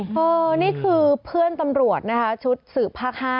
นี่คือเพื่อนตำรวจนะคะชุดสืบภาค๕